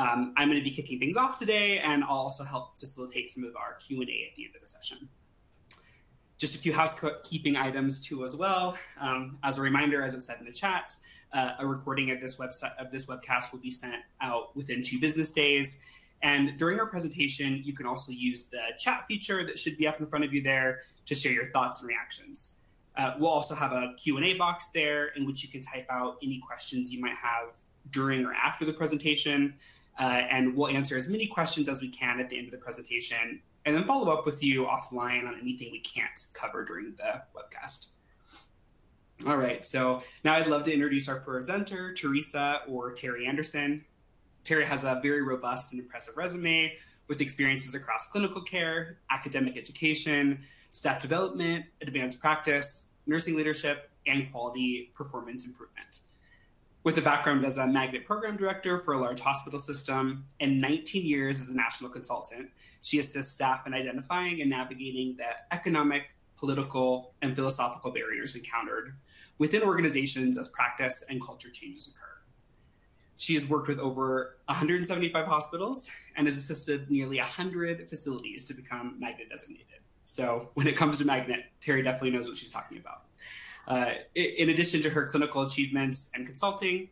Magnet. I'm gonna be kicking things off today and also help facilitate some of our Q&A at the end of the session. Just a few housekeeping items, too, as well. As a reminder, as it said in the chat, a recording of this webcast will be sent out within two business days, and during our presentation, you can also use the chat feature that should be up in front of you there to share your thoughts and reactions. We'll also have a Q&A box there, in which you can type out any questions you might have during or after the presentation. And we'll answer as many questions as we can at the end of the presentation, and then follow up with you offline on anything we can't cover during the webcast. All right, so now I'd love to introduce our presenter, Theresa or Terry Anderson. Terry has a very robust and impressive resume with experiences across clinical care, academic education, staff development, advanced practice, nursing leadership, and quality performance improvement. With a background as a Magnet program director for a large hospital system and 19 years as a national consultant, she assists staff in identifying and navigating the economic, political, and philosophical barriers encountered within organizations as practice and culture changes occur. She has worked with over 175 hospitals and has assisted nearly 100 facilities to become Magnet designated. So when it comes to magnet, Terry definitely knows what she's talking about. In addition to her clinical achievements and consulting,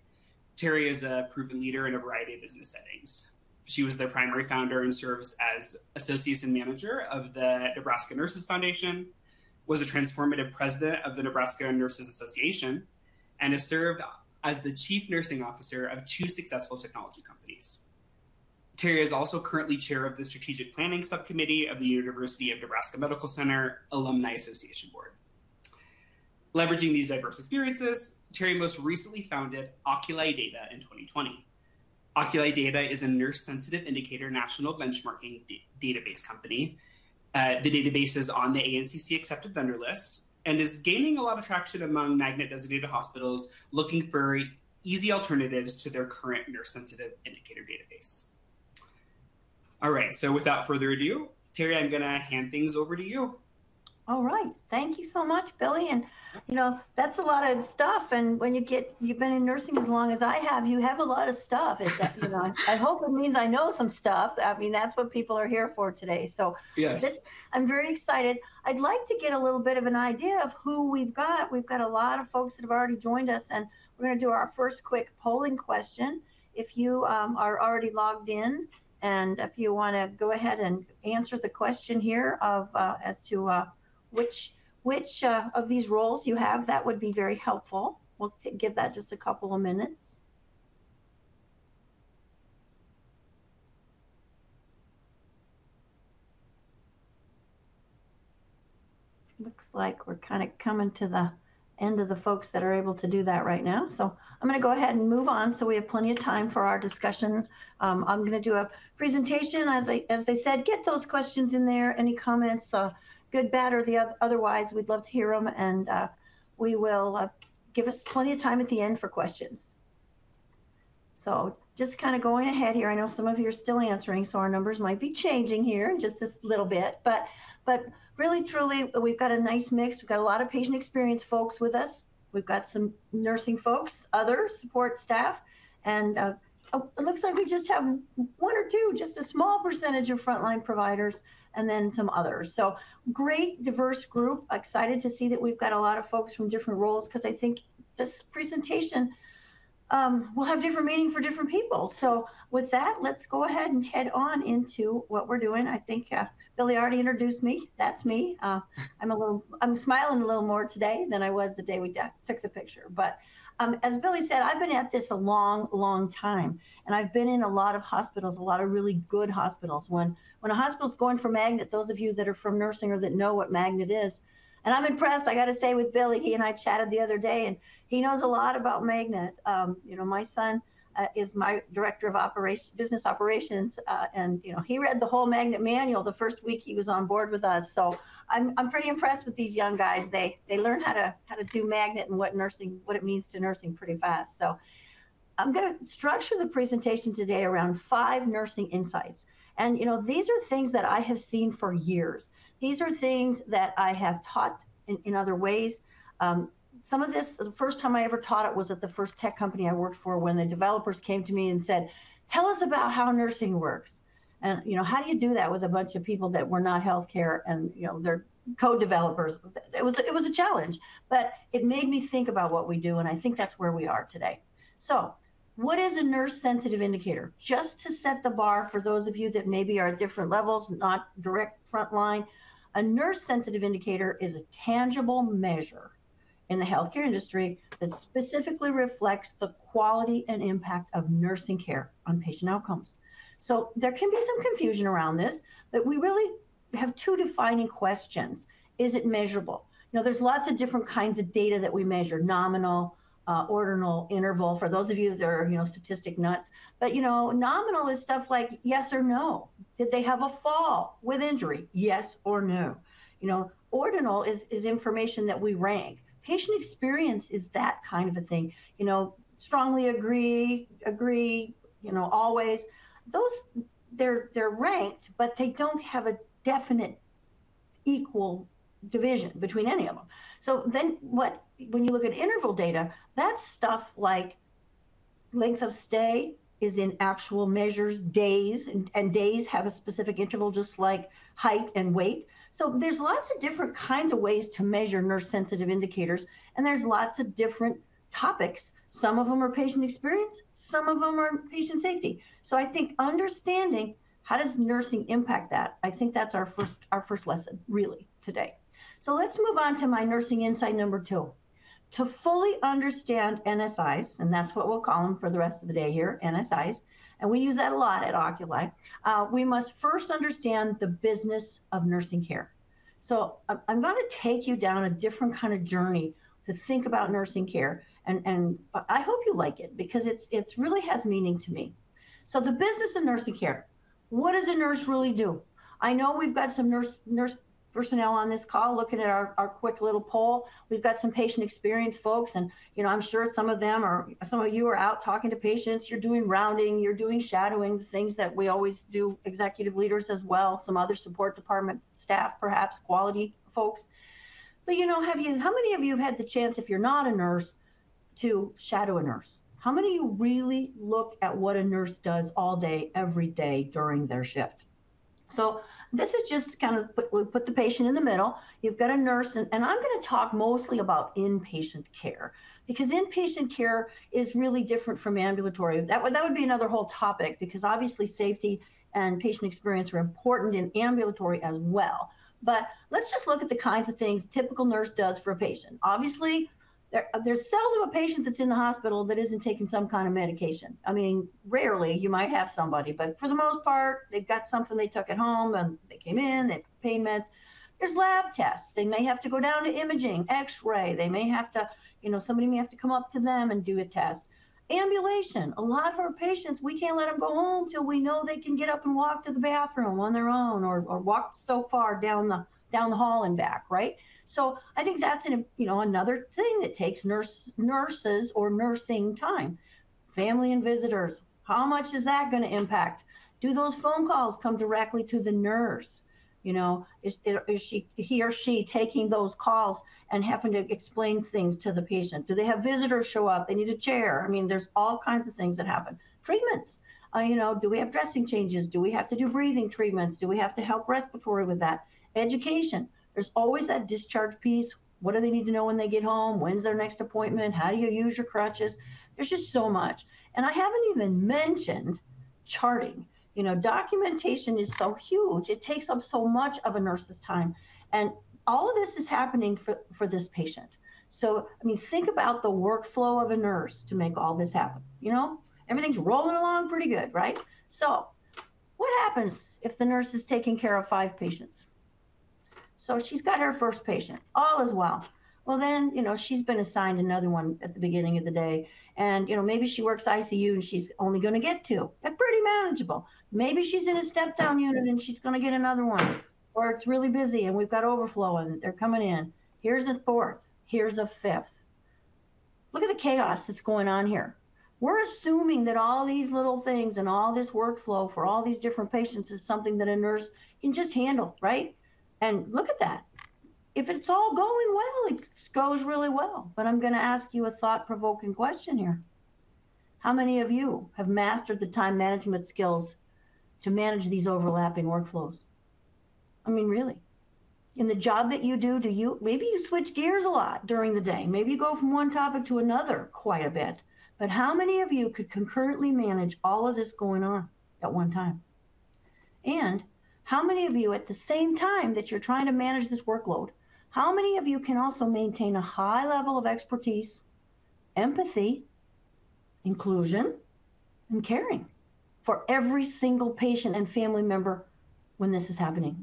Terry is a proven leader in a variety of business settings. She was their primary founder and serves as Association Manager of the Nebraska Nurses Foundation, was a transformative president of the Nebraska Nurses Association, and has served as the chief nursing officer of two successful technology companies. Terry is also currently chair of the Strategic Planning Subcommittee of the University of Nebraska Medical Center Alumni Association Board. Leveraging these diverse experiences, Terry most recently founded Oculi Data in 2020. Oculi Data is a Nurse-Sensitive Indicator national benchmarking database company. The database is on the ANCC-accepted vendor list and is gaining a lot of traction among Magnet-designated hospitals looking for easy alternatives to their current Nurse-Sensitive Indicator database. All right, so without further ado, Terry, I'm gonna hand things over to you. All right. Thank you so much, Billy, and, you know, that's a lot of stuff, and when you get... You've been in nursing as long as I have, you have a lot of stuff. It's, you know, I hope it means I know some stuff. I mean, that's what people are here for today. So- Yes. I'm very excited. I'd like to get a little bit of an idea of who we've got. We've got a lot of folks that have already joined us, and we're gonna do our first quick polling question. If you are already logged in, and if you wanna go ahead and answer the question here of as to which of these roles you have, that would be very helpful. We'll give that just a couple of minutes. Looks like we're kind of coming to the end of the folks that are able to do that right now. So I'm gonna go ahead and move on so we have plenty of time for our discussion. I'm gonna do a presentation. As they said, get those questions in there, any comments, good, bad, or otherwise, we'd love to hear them, and we will give us plenty of time at the end for questions. So just kind of going ahead here, I know some of you are still answering, so our numbers might be changing here in just a little bit. But really, truly, we've got a nice mix. We've got a lot of patient experience folks with us. We've got some nursing folks, other support staff, and oh, it looks like we just have one or two, just a small percentage of frontline providers and then some others. So great, diverse group. Excited to see that we've got a lot of folks from different roles because I think this presentation will have different meaning for different people. So with that, let's go ahead and head on into what we're doing. I think, Billy already introduced me. That's me. I'm a little—I'm smiling a little more today than I was the day we took the picture. But, as Billy said, I've been at this a long, long time, and I've been in a lot of hospitals, a lot of really good hospitals. When a hospital's going for Magnet, those of you that are from nursing or that know what Magnet is, and I'm impressed, I gotta say, with Billy. He and I chatted the other day, and he knows a lot about Magnet. You know, my son is my director of business operations, and, you know, he read the whole Magnet manual the first week he was on board with us. So I'm pretty impressed with these young guys. They learn how to do Magnet and what it means to nursing pretty fast. So I'm gonna structure the presentation today around five nursing insights, and, you know, these are things that I have seen for years. These are things that I have taught in other ways. Some of this, the first time I ever taught it was at the first tech company I worked for, when the developers came to me and said, "Tell us about how nursing works," and, you know, how do you do that with a bunch of people that were not healthcare, and, you know, they're code developers? It was a challenge, but it made me think about what we do, and I think that's where we are today. So what is a nurse-sensitive indicator? Just to set the bar for those of you that maybe are at different levels, not direct front line, a nurse-sensitive indicator is a tangible measure in the healthcare industry that specifically reflects the quality and impact of nursing care on patient outcomes. So there can be some confusion around this, but we really have two defining questions: Is it measurable? Now, there's lots of different kinds of data that we measure: nominal, ordinal, interval, for those of you that are, you know, statistic nuts. But, you know, nominal is stuff like yes or no. Did they have a fall with injury? Yes or no? You know, ordinal is information that we rank. Patient experience is that kind of a thing. You know, strongly agree, agree, you know, always. Those, they're ranked, but they don't have a definite equal division between any of them. So then what, when you look at interval data, that's stuff like length of stay is in actual measures, days, and days have a specific interval, just like height and weight. So there's lots of different kinds of ways to measure nurse-sensitive indicators, and there's lots of different topics. Some of them are patient experience, some of them are patient safety. So I think understanding how does nursing impact that? I think that's our first, our first lesson really today. So let's move on to my nursing insight number two. To fully understand NSIs, and that's what we'll call them for the rest of the day here, NSIs, and we use that a lot at Oculi. We must first understand the business of nursing care. So I'm gonna take you down a different kind of journey to think about nursing care, and I hope you like it because it's really has meaning to me. So the business of nursing care, what does a nurse really do? I know we've got some nurse personnel on this call looking at our quick little poll. We've got some patient experience folks, and, you know, I'm sure some of them are... Some of you are out talking to patients, you're doing rounding, you're doing shadowing, the things that we always do, executive leaders as well, some other support department staff, perhaps quality folks. But, you know, how many of you have had the chance, if you're not a nurse, to shadow a nurse? How many of you really look at what a nurse does all day, every day during their shift? So this is just to kind of put the patient in the middle. You've got a nurse, and I'm gonna talk mostly about inpatient care, because inpatient care is really different from ambulatory. That would be another whole topic, because obviously, safety and patient experience are important in ambulatory as well. But let's just look at the kinds of things typical nurse does for a patient. Obviously, there's seldom a patient that's in the hospital that isn't taking some kind of medication. I mean, rarely you might have somebody, but for the most part, they've got something they took at home, and they came in, they took pain meds. There's lab tests. They may have to go down to imaging, X-ray. They may have to, you know, somebody may have to come up to them and do a test. Ambulation, a lot of our patients, we can't let them go home till we know they can get up and walk to the bathroom on their own or, or walk so far down the, down the hall and back, right? So I think that's an, you know, another thing that takes nurse- nurses or nursing time. Family and visitors, how much is that gonna impact? Do those phone calls come directly to the nurse? You know, is there... Is she, he or she taking those calls and having to explain things to the patient? Do they have visitors show up? They need a chair. I mean, there's all kinds of things that happen. Treatments, you know, do we have dressing changes? Do we have to do breathing treatments? Do we have to help respiratory with that? Education, there's always that discharge piece. What do they need to know when they get home? When's their next appointment? How do you use your crutches? There's just so much, and I haven't even mentioned charting. You know, documentation is so huge, it takes up so much of a nurse's time, and all of this is happening for this patient. So I mean, think about the workflow of a nurse to make all this happen. You know, everything's rolling along pretty good, right? So what happens if the nurse is taking care of five patients? So she's got her first patient, all is well. Well, then, you know, she's been assigned another one at the beginning of the day, and, you know, maybe she works ICU, and she's only gonna get two. That's pretty manageable. Maybe she's in a step-down unit, and she's gonna get another one, or it's really busy, and we've got overflow, and they're coming in. Here's a fourth, here's a fifth. Look at the chaos that's going on here. We're assuming that all these little things and all this workflow for all these different patients is something that a nurse can just handle, right? And look at that. If it's all going well, it goes really well. But I'm gonna ask you a thought-provoking question here: How many of you have mastered the time management skills to manage these overlapping workflows? I mean, really, in the job that you do, do you... Maybe you switch gears a lot during the day, maybe you go from one topic to another quite a bit, but how many of you could concurrently manage all of this going on at one time? How many of you, at the same time, that you're trying to manage this workload, how many of you can also maintain a high level of expertise, empathy, inclusion, and caring for every single patient and family member when this is happening?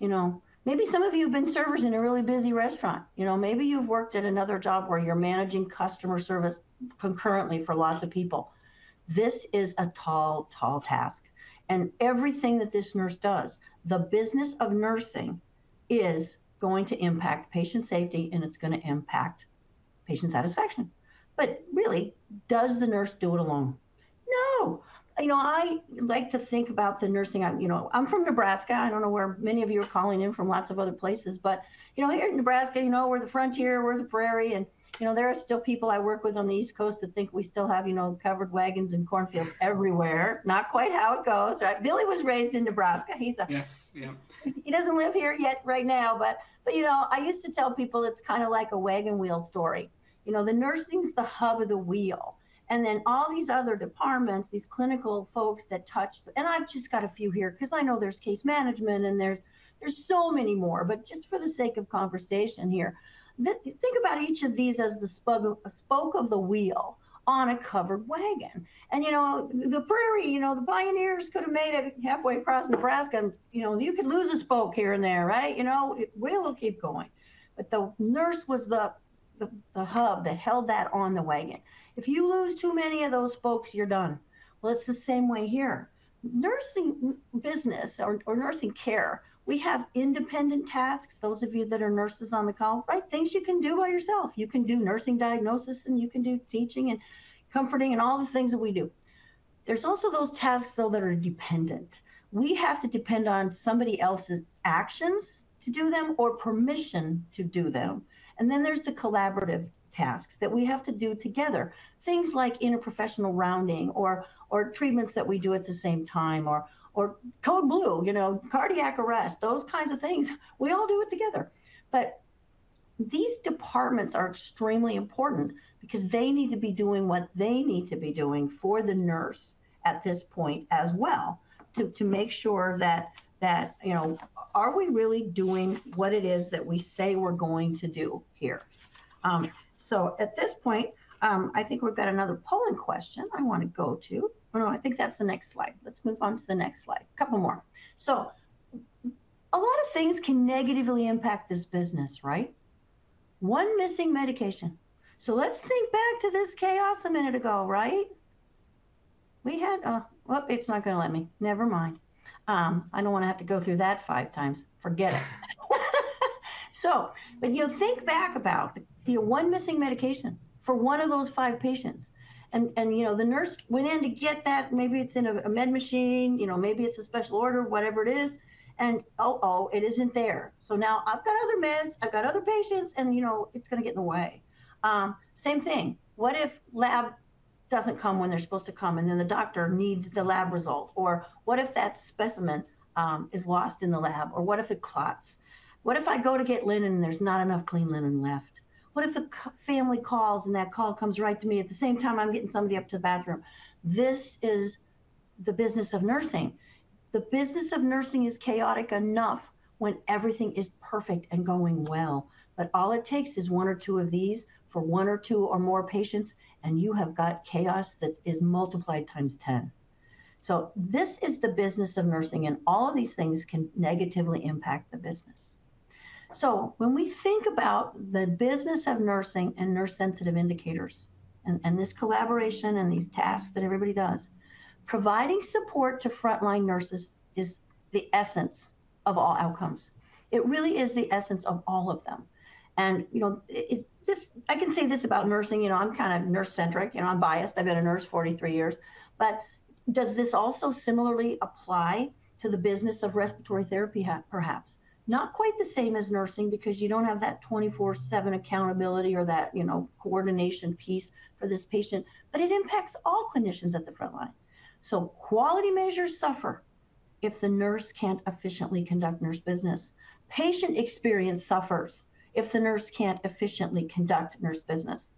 You know, maybe some of you have been servers in a really busy restaurant. You know, maybe you've worked at another job where you're managing customer service concurrently for lots of people. This is a tall, tall task, and everything that this nurse does, the business of nursing, is going to impact patient safety, and it's gonna impact patient satisfaction. But really, does the nurse do it alone? No! You know, I like to think about the nursing on... You know, I'm from Nebraska. I don't know where many of you are calling in from, lots of other places, but, you know, here in Nebraska, you know, we're the frontier, we're the prairie. And, you know, there are still people I work with on the East Coast that think we still have, you know, covered wagons and cornfields everywhere. Not quite how it goes, right? Billy was raised in Nebraska. He's a- Yes. Yeah. He doesn't live here yet right now, but you know, I used to tell people it's kind of like a wagon wheel story. You know, the nursing's the hub of the wheel, and then all these other departments, these clinical folks that touch... And I've just got a few here, because I know there's case management, and there's so many more, but just for the sake of conversation here, think about each of these as the spoke of the wheel on a covered wagon. And, you know, the prairie, you know, the pioneers could have made it halfway across Nebraska, and, you know, you could lose a spoke here and there, right? You know, the wheel will keep going. But the nurse was the hub that held that on the wagon. If you lose too many of those spokes, you're done. Well, it's the same way here. Nursing in business or nursing care, we have independent tasks, those of you that are nurses on the call, right? Things you can do by yourself. You can do nursing diagnosis, and you can do teaching, and comforting, and all the things that we do.... There's also those tasks, though, that are dependent. We have to depend on somebody else's actions to do them or permission to do them. Then there's the collaborative tasks that we have to do together, things like interprofessional rounding or treatments that we do at the same time or Code Blue, you know, cardiac arrest, those kinds of things, we all do it together. These departments are extremely important because they need to be doing what they need to be doing for the nurse at this point as well, to make sure that, you know, are we really doing what it is that we say we're going to do here? At this point, I think we've got another polling question I wanna go to. Oh, no, I think that's the next slide. Let's move on to the next slide. A couple more. A lot of things can negatively impact this business, right? One missing medication. Let's think back to this chaos a minute ago, right? Oh, well, it's not gonna let me. Never mind. I don't wanna have to go through that five times. Forget it. So, but you'll think back about the, you know, 1 missing medication for one of those five patients and, you know, the nurse went in to get that. Maybe it's in a med machine, you know, maybe it's a special order, whatever it is, and uh-oh, it isn't there. So now I've got other meds, I've got other patients, and, you know, it's gonna get in the way. Same thing, what if lab doesn't come when they're supposed to come, and then the doctor needs the lab result? Or what if that specimen is lost in the lab, or what if it clots? What if I go to get linen, and there's not enough clean linen left? What if the family calls, and that call comes right to me at the same time I'm getting somebody up to the bathroom? This is the business of nursing. The business of nursing is chaotic enough when everything is perfect and going well. But all it takes is one or two of these for one or two or more patients, and you have got chaos that is multiplied times 10. So this is the business of nursing, and all of these things can negatively impact the business. So when we think about the business of nursing and nurse-sensitive indicators and this collaboration and these tasks that everybody does, providing support to frontline nurses is the essence of all outcomes. It really is the essence of all of them. And, you know, this, I can say this about nursing, you know, I'm kind of nurse-centric, and I'm biased. I've been a nurse 43 years. But does this also similarly apply to the business of respiratory therapy, ha- perhaps? Not quite the same as nursing because you don't have that 24/7 accountability or that, you know, coordination piece for this patient, but it impacts all clinicians at the frontline. So quality measures suffer if the nurse can't efficiently conduct nurse business. Patient experience suffers if the nurse can't efficiently conduct nurse business.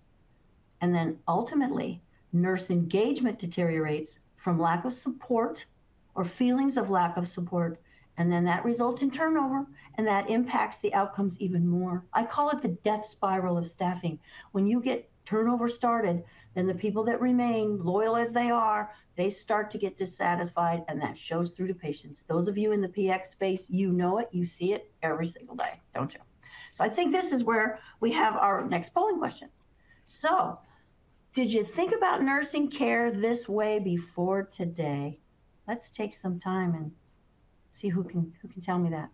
And then, ultimately, nurse engagement deteriorates from lack of support or feelings of lack of support, and then that results in turnover, and that impacts the outcomes even more. I call it the death spiral of staffing. When you get turnover started, then the people that remain, loyal as they are, they start to get dissatisfied, and that shows through to patients. Those of you in the PX space, you know it. You see it every single day, don't you? So I think this is where we have our next polling question. So did you think about nursing care this way before today? Let's take some time and see who can, who can tell me that.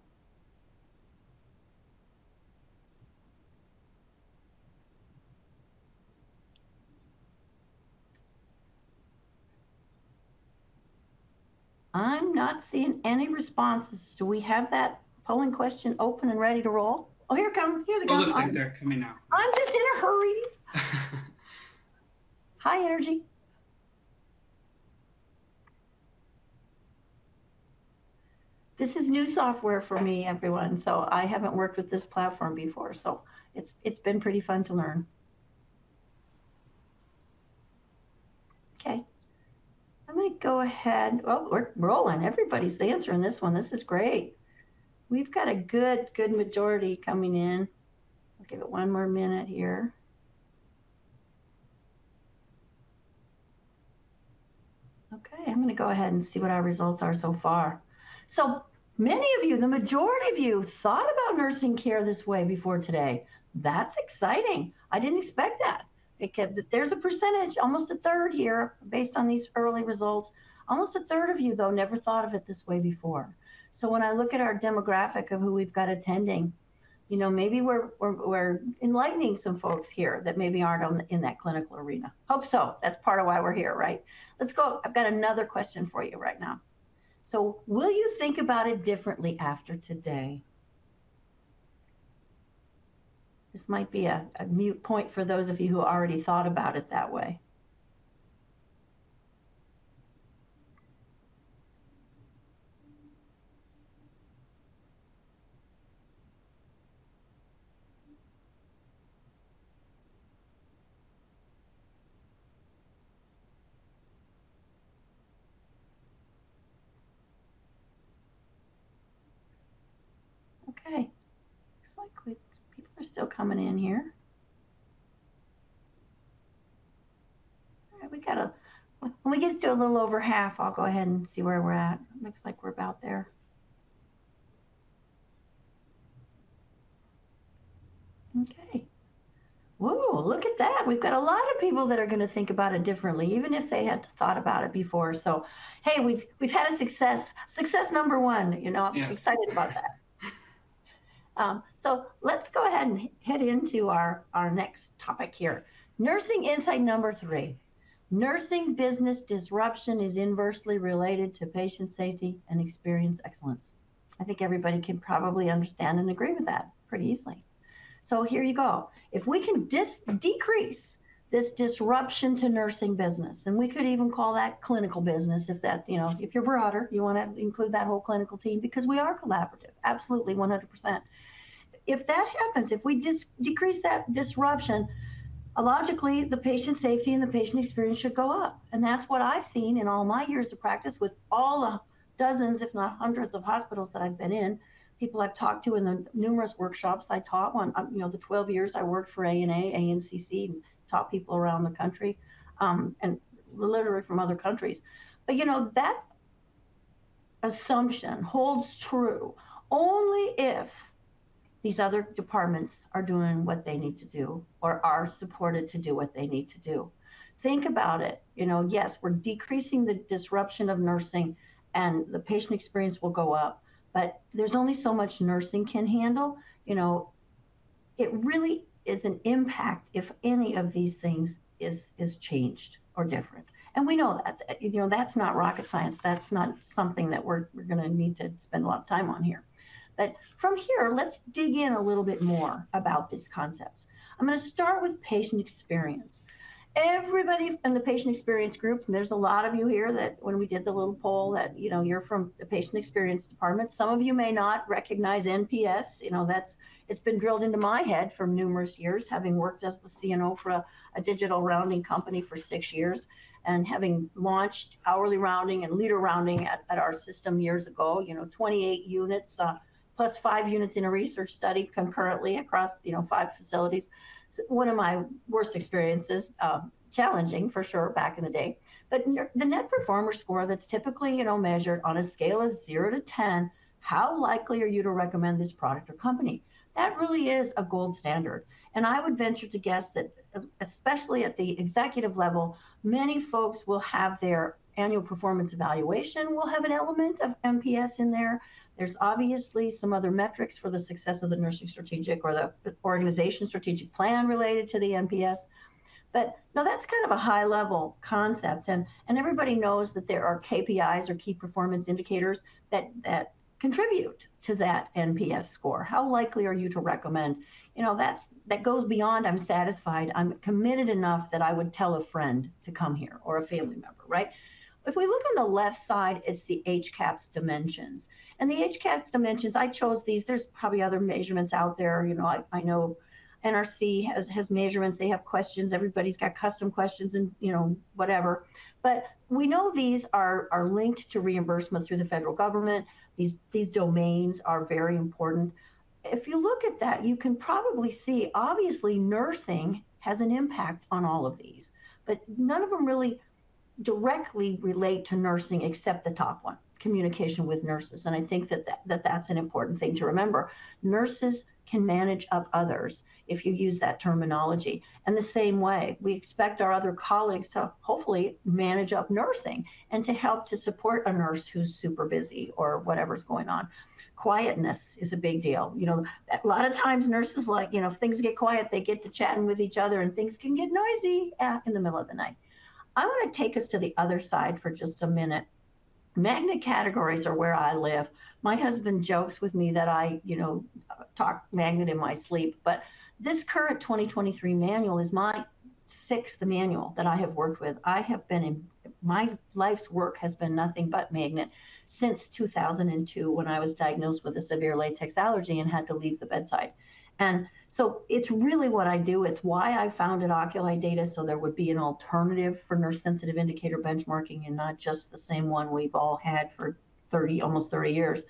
I'm not seeing any responses. Do we have that polling question open and ready to roll? Oh, here it come. Here they come. It looks like they're coming now. I'm just in a hurry. High energy. This is new software for me, everyone, so I haven't worked with this platform before, so it's, it's been pretty fun to learn. Okay, I'm gonna go ahead... Oh, we're rolling. Everybody's answering this one. This is great. We've got a good, good majority coming in. I'll give it one more minute here. Okay, I'm gonna go ahead and see what our results are so far. So many of you, the majority of you, thought about nursing care this way before today. That's exciting! I didn't expect that because there's a percentage, almost a third here, based on these early results. Almost a third of you, though, never thought of it this way before. So when I look at our demographic of who we've got attending, you know, maybe we're enlightening some folks here that maybe aren't in that clinical arena. Hope so. That's part of why we're here, right? Let's go. I've got another question for you right now. So will you think about it differently after today? This might be a moot point for those of you who already thought about it that way. Okay, looks like people are still coming in here. All right. When we get to a little over half, I'll go ahead and see where we're at. It looks like we're about there. Okay. Whoa, look at that! We've got a lot of people that are gonna think about it differently, even if they had thought about it before. So, hey, we've had a success, success number one. You know- Yes. I'm excited about that. So let's go ahead and head into our next topic here. Nursing insight number three: nursing business disruption is inversely related to patient safety and experience excellence. I think everybody can probably understand and agree with that pretty easily. So here you go. If we can decrease this disruption to nursing business, and we could even call that clinical business, if that's, you know, if you're broader, you wanna include that whole clinical team, because we are collaborative, absolutely, 100%. If that happens, if we decrease that disruption, logically, the patient safety and the patient experience should go up, and that's what I've seen in all my years of practice with all the dozens, if not hundreds of hospitals that I've been in, people I've talked to in the numerous workshops I taught when, you know, the 12 years I worked for ANA, ANCC, and taught people around the country, and literally from other countries. But, you know, that assumption holds true only if these other departments are doing what they need to do or are supported to do what they need to do. Think about it. You know, yes, we're decreasing the disruption of nursing, and the patient experience will go up, but there's only so much nursing can handle. You know, it really is an impact if any of these things is changed or different, and we know that. You know, that's not rocket science. That's not something that we're gonna need to spend a lot of time on here. But from here, let's dig in a little bit more about these concepts. I'm gonna start with patient experience. Everybody in the patient experience group, and there's a lot of you here, that when we did the little poll, that, you know, you're from the patient experience department. Some of you may not recognize NPS. You know, that's... It's been drilled into my head for numerous years, having worked as the CNO for a digital rounding company for six years and having launched hourly rounding and leader rounding at our system years ago, you know, 28 units plus five units in a research study concurrently across, you know, five facilities. It's one of my worst experiences, challenging for sure, back in the day. But the Net Promoter Score, that's typically, you know, measured on a scale of 0 to 10, how likely are you to recommend this product or company? That really is a gold standard, and I would venture to guess that, especially at the executive level, many folks will have their annual performance evaluation, will have an element of NPS in there. There's obviously some other metrics for the success of the nursing strategic or the organization strategic plan related to the NPS. But now, that's kind of a high-level concept, and everybody knows that there are KPIs or key performance indicators that contribute to that NPS score. How likely are you to recommend? You know, that's that goes beyond, "I'm satisfied. I'm committed enough that I would tell a friend to come here, or a family member," right? If we look on the left side, it's the HCAHPS dimensions. And the HCAHPS dimensions, I chose these. There's probably other measurements out there. You know, I know NRC has measurements. They have questions. Everybody's got custom questions and, you know, whatever, but we know these are linked to reimbursement through the federal government. These domains are very important. If you look at that, you can probably see, obviously, nursing has an impact on all of these, but none of them really directly relate to nursing except the top one, communication with nurses, and I think that that's an important thing to remember. Nurses can manage up others, if you use that terminology. In the same way, we expect our other colleagues to hopefully manage up nursing and to help to support a nurse who's super busy or whatever is going on. Quietness is a big deal. You know, a lot of times, nurses, like, you know, if things get quiet, they get to chatting with each other, and things can get noisy in the middle of the night. I wanna take us to the other side for just a minute. Magnet categories are where I live. My husband jokes with me that I, you know, talk Magnet in my sleep, but this current 2023 manual is my sixth manual that I have worked with. My life's work has been nothing but Magnet since 2002 when I was diagnosed with a severe latex allergy and had to leave the bedside. And so it's really what I do. It's why I founded Oculi Data, so there would be an alternative for nurse-sensitive indicator benchmarking and not just the same one we've all had for 30, almost 30 years.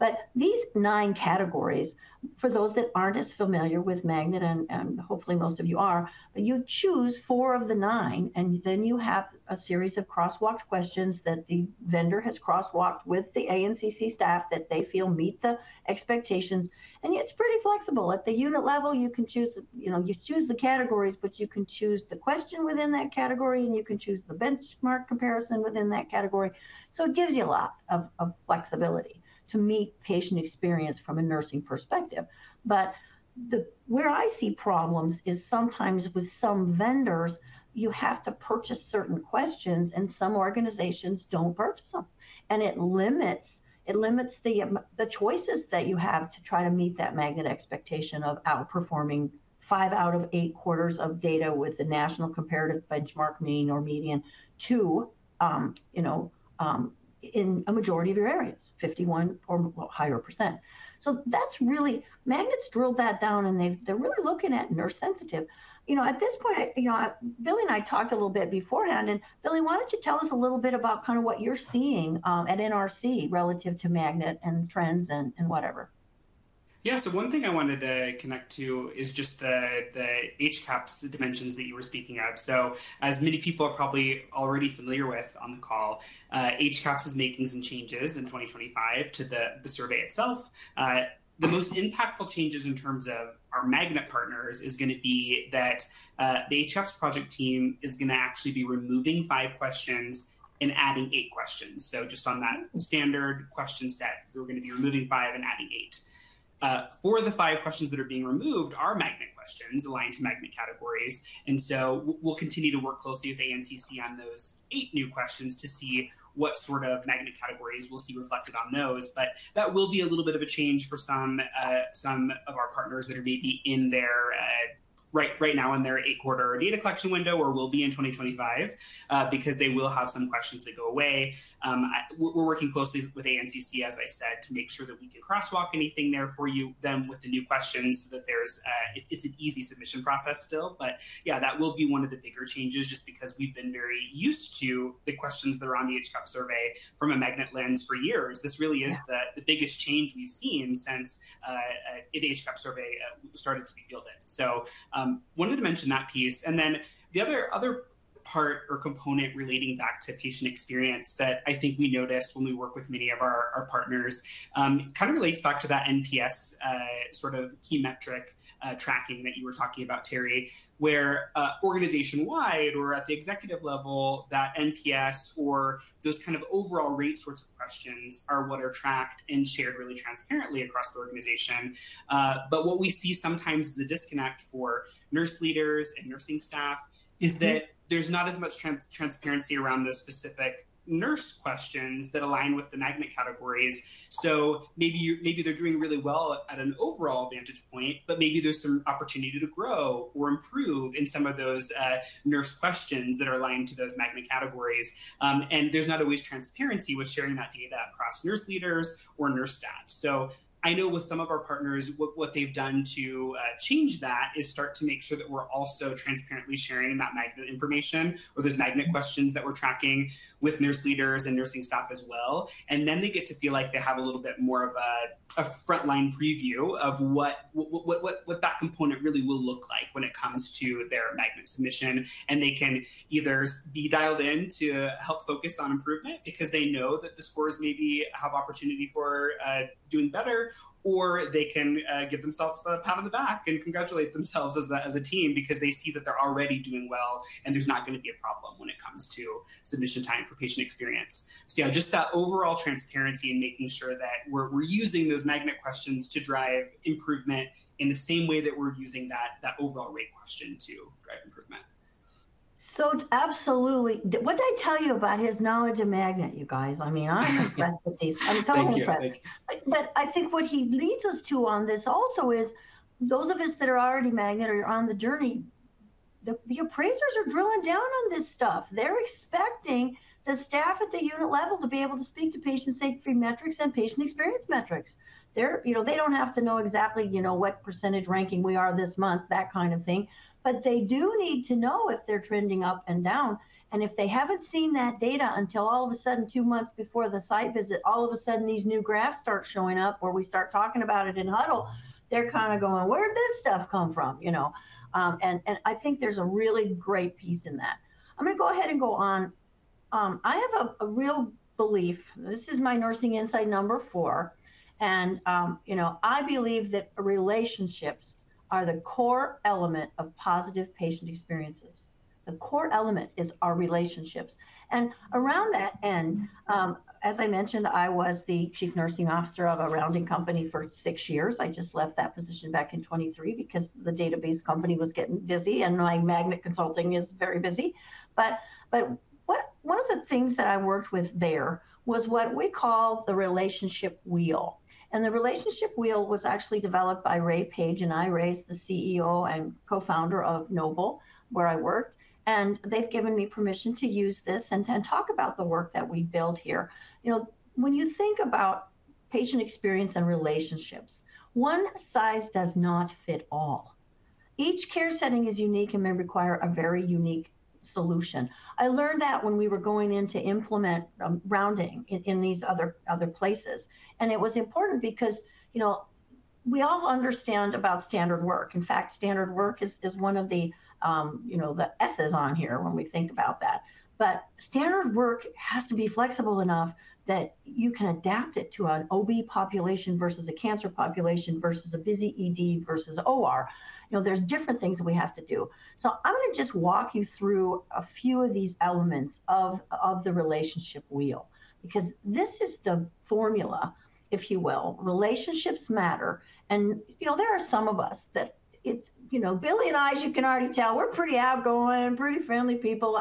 But these nine categories, for those that aren't as familiar with Magnet, and, and hopefully most of you are, but you choose four of the nine, and then you have a series of crosswalk questions that the vendor has crosswalked with the ANCC staff that they feel meet the expectations, and it's pretty flexible. At the unit level, you can choose... You know, you choose the categories, but you can choose the question within that category, and you can choose the benchmark comparison within that category. So it gives you a lot of flexibility to meet patient experience from a nursing perspective. But where I see problems is sometimes with some vendors, you have to purchase certain questions, and some organizations don't purchase them, and it limits the choices that you have to try to meet that Magnet expectation of outperforming five out of eight quarters of data with the national comparative benchmark mean or median to, you know, in a majority of your areas, 51% or higher. So that's really. Magnet's drilled that down, and they've, they're really looking at nurse-sensitive. You know, at this point, you know, Billy and I talked a little bit beforehand, and Billy, why don't you tell us a little bit about kind of what you're seeing at NRC relative to Magnet and trends and whatever? Yeah. So one thing I wanted to connect to is just the HCAHPS, the dimensions that you were speaking of. So as many people are probably already familiar with on the call, HCAHPS is making some changes in 2025 to the survey itself. The most impactful changes in terms of our Magnet partners is gonna be that the HCAHPS project team is gonna actually be removing five questions and adding eight questions. So just on that standard question set. So we're gonna be removing five and adding eight. Four of the five questions that are being removed are Magnet questions, aligned to Magnet categories, and so we'll continue to work closely with ANCC on those eight new questions to see what sort of Magnet categories we'll see reflected on those. But that will be a little bit of a change for some of our partners that are maybe in their right now in their eight-quarter data collection window or will be in 2025, because they will have some questions that go away. We're working closely with ANCC, as I said, to make sure that we can crosswalk anything there for you, then with the new questions, that there's it's an easy submission process still. But yeah, that will be one of the bigger changes, just because we've been very used to the questions that are on the HCAHPS survey from a Magnet lens for years. Yeah. This really is the biggest change we've seen since the HCAHPS survey started to be fielded. So, wanted to mention that piece, and then the other part or component relating back to patient experience that I think we noticed when we work with many of our partners kind of relates back to that NPS sort of key metric tracking that you were talking about, Terry. Where, organization-wide or at the executive level, that NPS or those kind of overall rate sorts of questions are what are tracked and shared really transparently across the organization. But what we see sometimes is a disconnect for nurse leaders and nursing staff, is that- Mm... there's not as much transparency around the specific nurse questions that align with the Magnet categories. So maybe they're doing really well at an overall vantage point, but maybe there's some opportunity to grow or improve in some of those nurse questions that are aligned to those Magnet categories. And there's not always transparency with sharing that data across nurse leaders or nurse staff. So I know with some of our partners, what they've done to change that is start to make sure that we're also transparently sharing that Magnet information or those Magnet questions that we're tracking with nurse leaders and nursing staff as well. And then they get to feel like they have a little bit more of a frontline preview of what that component really will look like when it comes to their Magnet submission. And they can either be dialed in to help focus on improvement, because they know that the scores maybe have opportunity for doing better, or they can give themselves a pat on the back and congratulate themselves as a team because they see that they're already doing well, and there's not gonna be a problem when it comes to submission time for patient experience. So yeah, just that overall transparency and making sure that we're using those Magnet questions to drive improvement in the same way that we're using that overall rate question to drive improvement. So absolutely. What did I tell you about his knowledge of Magnet, you guys? I mean, I'm impressed with this. Thank you. I'm totally impressed. But I think what he leads us to on this also is, those of us that are already Magnet or are on the journey, the, the appraisers are drilling down on this stuff. They're expecting the staff at the unit level to be able to speak to patient safety metrics and patient experience metrics. They're, you know, they don't have to know exactly, you know, what percentage ranking we are this month, that kind of thing, but they do need to know if they're trending up and down. And if they haven't seen that data until all of a sudden, two months before the site visit, all of a sudden, these new graphs start showing up, or we start talking about it in huddle, they're kind of going: "Where did this stuff come from?" You know. I think there's a really great piece in that. I'm gonna go ahead and go on. I have a real belief, this is my nursing insight number four, you know, I believe that relationships are the core element of positive patient experiences. The core element is our relationships. Around that end, as I mentioned, I was the chief nursing officer of a rounding company for six years. I just left that position back in 2023 because the database company was getting busy, and my Magnet consulting is very busy. One of the things that I worked with there was what we call the relationship wheel. The relationship wheel was actually developed by Ray Page, who's the CEO and co-founder of Noble, where I worked, and they've given me permission to use this and talk about the work that we built here. You know, when you think about patient experience and relationships, one size does not fit all. Each care setting is unique and may require a very unique solution. I learned that when we were going in to implement rounding in these other places. It was important because, you know, we all understand about standard work. In fact, standard work is one of the S's on here when we think about that. But standard work has to be flexible enough that you can adapt it to an OB population versus a cancer population, versus a busy ED, versus OR. You know, there's different things that we have to do. So I'm gonna just walk you through a few of these elements of the relationship wheel, because this is the formula, if you will. Relationships matter, and, you know, there are some of us that it's... You know, Billy and I, as you can already tell, we're pretty outgoing and pretty friendly people.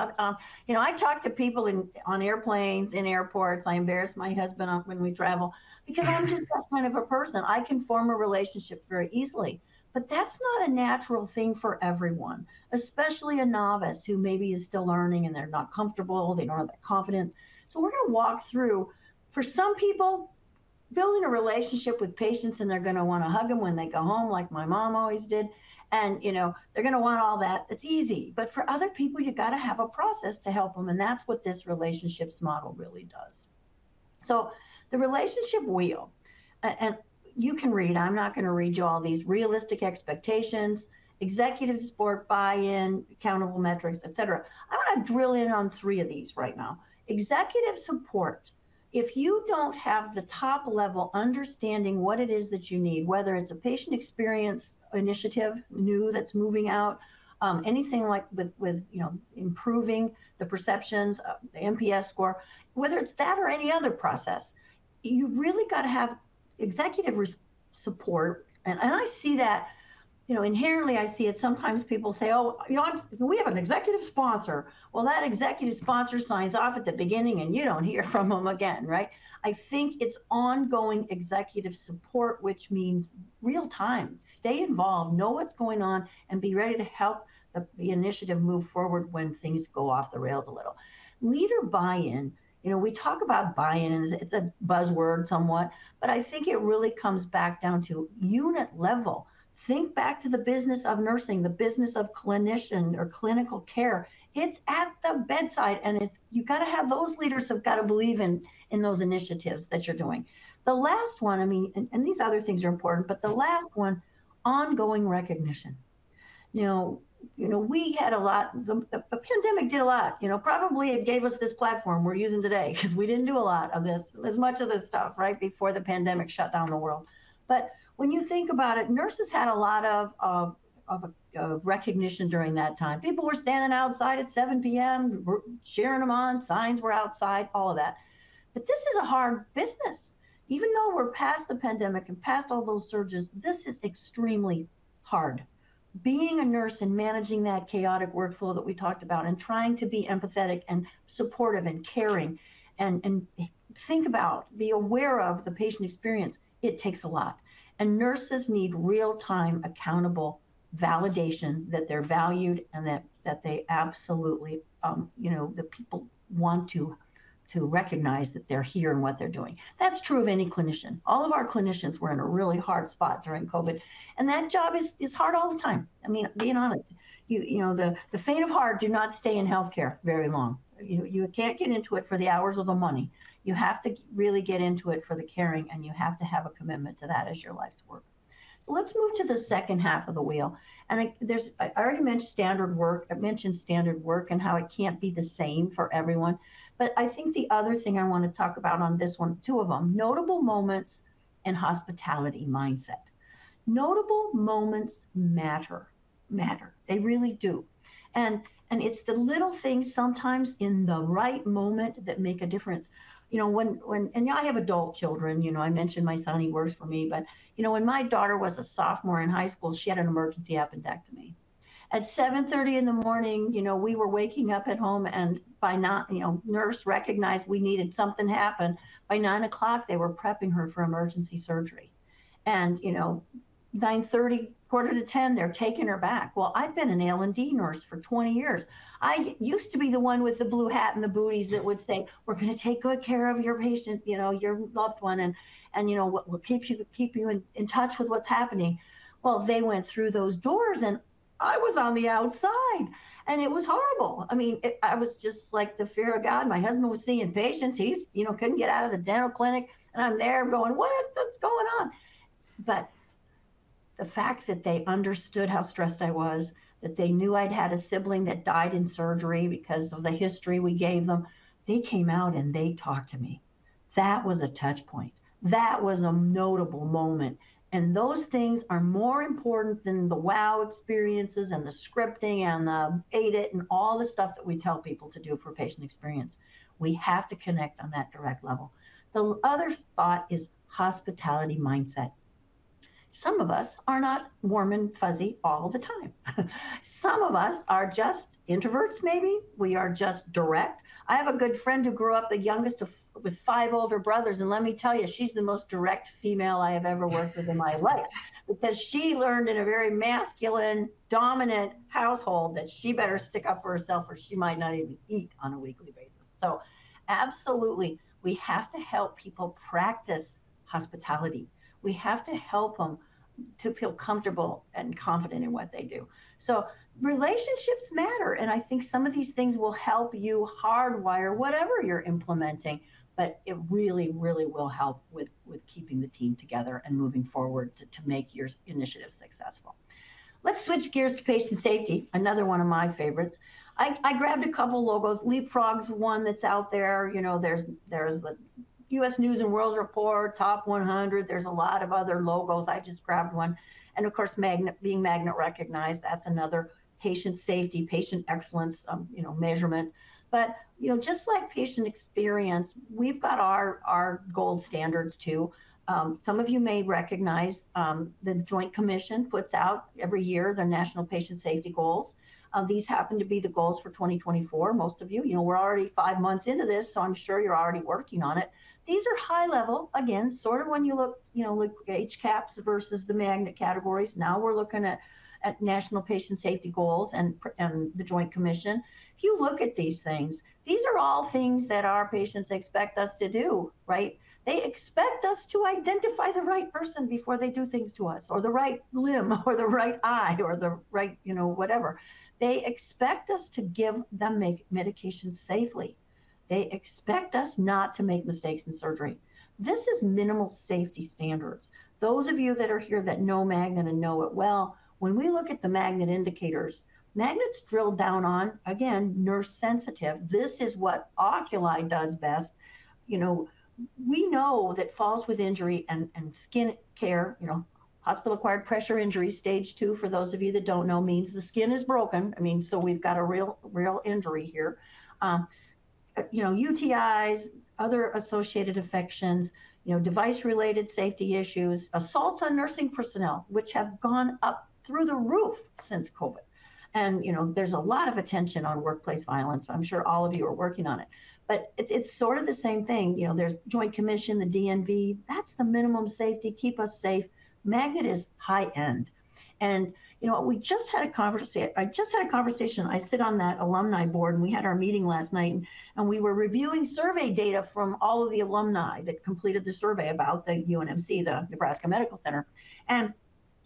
You know, I talk to people on airplanes, in airports. I embarrass my husband often when we travel because I'm just that kind of a person. I can form a relationship very easily. But that's not a natural thing for everyone, especially a novice, who maybe is still learning, and they're not comfortable, they don't have that confidence. So we're gonna walk through. For some people, building a relationship with patients, and they're gonna wanna hug them when they go home, like my mom always did, and, you know, they're gonna want all that, it's easy. But for other people, you gotta have a process to help them, and that's what this relationships model really does. So the relationship wheel, and you can read, I'm not gonna read you all these realistic expectations, executive support, buy-in, accountable metrics, et cetera. I wanna drill in on three of these right now. Executive support, if you don't have the top-level understanding what it is that you need, whether it's a patient experience, initiative, new, that's moving out, anything like, with, you know, improving the perceptions of the NPS score, whether it's that or any other process, you've really gotta have executive res-... support, and I see that, you know, inherently I see it. Sometimes people say, "Oh, you know, we have an executive sponsor." Well, that executive sponsor signs off at the beginning, and you don't hear from them again, right? I think it's ongoing executive support, which means real time. Stay involved, know what's going on, and be ready to help the initiative move forward when things go off the rails a little. Leader buy-in, you know, we talk about buy-in, and it's a buzzword somewhat, but I think it really comes back down to unit level. Think back to the business of nursing, the business of clinician or clinical care. It's at the bedside, and it's... You've gotta have those leaders have gotta believe in those initiatives that you're doing. The last one, I mean, these other things are important, but the last one, ongoing recognition. Now, you know, we had a lot, the pandemic did a lot. You know, probably it gave us this platform we're using today, 'cause we didn't do a lot of this, as much of this stuff, right, before the pandemic shut down the world. But when you think about it, nurses had a lot of recognition during that time. People were standing outside at 7:00 P.M., we're cheering them on, signs were outside, all of that. But this is a hard business. Even though we're past the pandemic and past all those surges, this is extremely hard. Being a nurse and managing that chaotic workflow that we talked about, and trying to be empathetic, and supportive, and caring, and think about, be aware of the patient experience, it takes a lot. Nurses need real-time accountable validation that they're valued and that they absolutely, you know, the people want to recognize that they're here and what they're doing. That's true of any clinician. All of our clinicians were in a really hard spot during COVID, and that job is hard all the time. I mean, being honest, you know, the faint of heart do not stay in healthcare very long. You can't get into it for the hours or the money. You have to really get into it for the caring, and you have to have a commitment to that as your life's work. So let's move to the second half of the wheel. I already mentioned standard work. I mentioned standard work and how it can't be the same for everyone, but I think the other thing I wanna talk about on this one, two of them, notable moments and hospitality mindset. Notable moments matter. They really do, and it's the little things sometimes in the right moment that make a difference. You know, when... And I have adult children, you know. I mentioned my son, he works for me, but, you know, when my daughter was a sophomore in high school, she had an emergency appendectomy. At 7:30 A.M., you know, we were waking up at home, and by 9:00 A.M., you know, the nurse recognized we needed something to happen. By 9:00 A.M., they were prepping her for emergency surgery, and, you know, 9:30 A.M., 9:45 A.M., they're taking her back. Well, I've been an L and D nurse for 20 years. I used to be the one with the blue hat and the booties that would say, "We're gonna take good care of your patient, you know, your loved one, and, and, you know, we'll keep you, keep you in, in touch with what's happening." Well, they went through those doors, and I was on the outside, and it was horrible! I mean, it... I was just like the fear of God. My husband was seeing patients. He's, you know, couldn't get out of the dental clinic, and I'm there going, "What is... What's going on?" But the fact that they understood how stressed I was, that they knew I'd had a sibling that died in surgery because of the history we gave them, they came out, and they talked to me. That was a touch point. That was a notable moment, and those things are more important than the wow experiences, and the scripting, and the AIDET, and all the stuff that we tell people to do for patient experience. We have to connect on that direct level. The other thought is hospitality mindset. Some of us are not warm and fuzzy all the time. Some of us are just introverts maybe. We are just direct. I have a good friend who grew up the youngest of, with five older brothers, and let me tell you, she's the most direct female I have ever worked with in my life... because she learned in a very masculine, dominant household that she better stick up for herself, or she might not even eat on a weekly basis. So absolutely, we have to help people practice hospitality. We have to help them to feel comfortable and confident in what they do. So relationships matter, and I think some of these things will help you hardwire whatever you're implementing, but it really, really will help with keeping the team together and moving forward to make your initiatives successful. Let's switch gears to patient safety, another one of my favorites. I grabbed a couple logos. Leapfrog's one that's out there. You know, there's the U.S. News & World Report Top 100. There's a lot of other logos. I just grabbed one, and of course, Magnet, being Magnet-recognized, that's another patient safety, patient excellence, you know, measurement. But, you know, just like patient experience, we've got our, our gold standards, too. Some of you may recognize, the Joint Commission puts out every year their national patient safety goals. These happen to be the goals for 2024. Most of you, you know, we're already five months into this, so I'm sure you're already working on it. These are high level, again, sort of when you look, you know, look HCAHPS versus the Magnet categories. Now we're looking at, at national patient safety goals and the Joint Commission. If you look at these things, these are all things that our patients expect us to do, right? They expect us to identify the right person before they do things to us, or the right limb, or the right eye, or the right, you know, whatever. They expect us to give them medication safely. They expect us not to make mistakes in surgery. This is minimal safety standards. Those of you that are here that know Magnet and know it well, when we look at the Magnet indicators, Magnet's drilled down on, again, nurse-sensitive. This is what Oculi does best. You know, we know that falls with injury and skin care, you know, Hospital-Acquired Pressure Injury, stage two, for those of you that don't know, means the skin is broken. I mean, so we've got a real, real injury here. You know, UTIs, other associated infections, you know, device-related safety issues, assaults on nursing personnel, which have gone up through the roof since COVID. You know, there's a lot of attention on workplace violence. I'm sure all of you are working on it, but it's, it's sort of the same thing. You know, there's Joint Commission, the DNV, that's the minimum safety, keep us safe. Magnet is high-end, and, you know what? I just had a conversation. I sit on that alumni board, and we had our meeting last night, and we were reviewing survey data from all of the alumni that completed the survey about the UNMC, the Nebraska Medical Center, and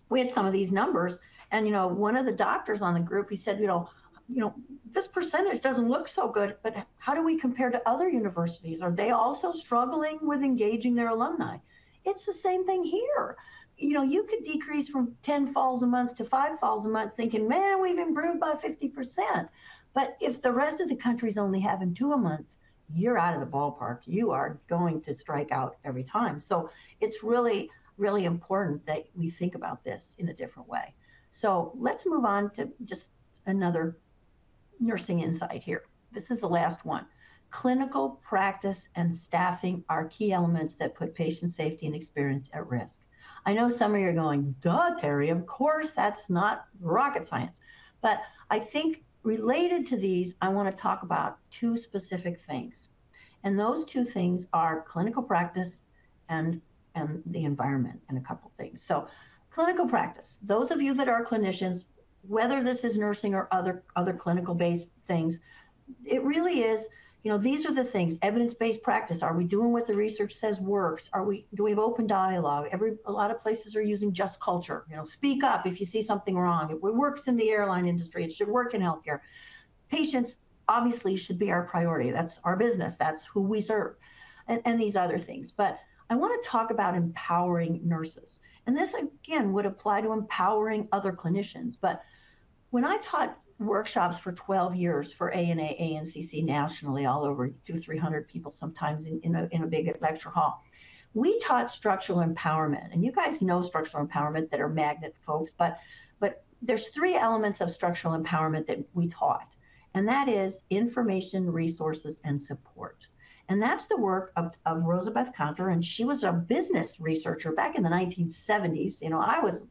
we had some of these numbers. And, you know, one of the doctors on the group, he said, "You know, you know, this percentage doesn't look so good, but how do we compare to other universities? Are they also struggling with engaging their alumni?" It's the same thing here! You know, you could decrease from 10 falls a month to 5 falls a month, thinking, "Man, we've improved by 50%," but if the rest of the countries only having 2 a month, you're out of the ballpark. You are going to strike out every time. So it's really, really important that we think about this in a different way. So let's move on to just another nursing insight here. This is the last one. Clinical practice and staffing are key elements that put patient safety and experience at risk. I know some of you are going, "Duh, Terry, of course, that's not rocket science." But I think related to these, I wanna talk about two specific things, and those two things are clinical practice and, and the environment, and a couple things. So clinical practice, those of you that are clinicians, whether this is nursing or other clinical-based things, it really is. You know, these are the things, evidence-based practice. Are we doing what the research says works? Do we have open dialogue? A lot of places are using Just Culture. You know, speak up if you see something wrong. It works in the airline industry. It should work in healthcare. Patients obviously should be our priority. That's our business. That's who we serve, and these other things. But I wanna talk about empowering nurses, and this, again, would apply to empowering other clinicians. But when I taught workshops for 12 years for ANA, ANCC, nationally, all over, 200-300 people, sometimes in a big lecture hall, we taught Structural Empowerment, and you guys know Structural Empowerment that are Magnet folks. But there's three elements of structural empowerment that we taught, and that is information, resources, and support, and that's the work of Rosabeth Moss Kanter, and she was a business researcher back in the 1970s. You know, I was